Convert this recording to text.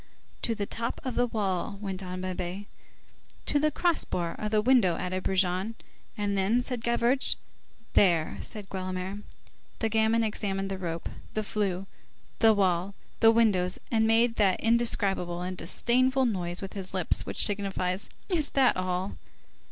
"To the top of the wall," went on Babet. "To the cross bar of the window," added Brujon. "And then?" said Gavroche. "There!" said Guelemer. The gamin examined the rope, the flue, the wall, the windows, and made that indescribable and disdainful noise with his lips which signifies:— "Is that all!"